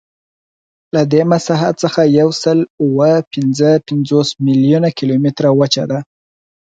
له دې مساحت څخه یوسلاوهپینځهپنځوس میلیونه کیلومتره وچه ده.